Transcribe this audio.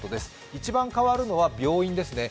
一番変わるのは病院ですね。